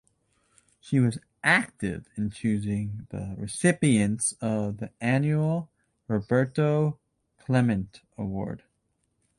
She was active in choosing the recipients of the annual Roberto Clemente Award.